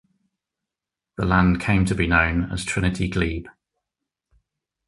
The land came to be known as "Trinity Glebe".